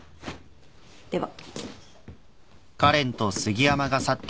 では。